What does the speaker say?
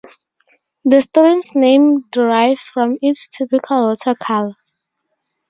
The stream's name derives from its typical water color.